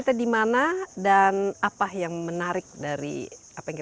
faafala monkeyskannya sama semuanya